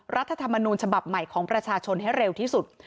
รัฐธรรมนูญฉบับใหม่ของประชาชนให้เร็วที่สุด